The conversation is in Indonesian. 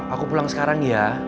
aku pulang sekarang ya